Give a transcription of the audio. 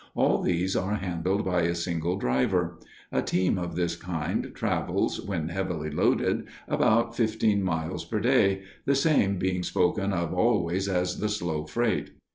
All these are handled by a single driver. A team of this kind travels, when heavily loaded, about fifteen miles per day, the same being spoken of always as the slow freight.